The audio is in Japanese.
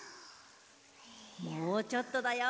もうちょっとだよ。